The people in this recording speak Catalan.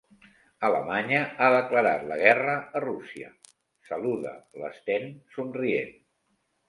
Alemanya ha declarat la guerra a Rússia —saluda l'Sten, somrient—.